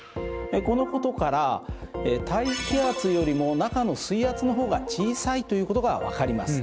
このことから大気圧よりも中の水圧の方が小さいということが分かります。